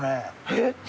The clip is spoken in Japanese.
えっ？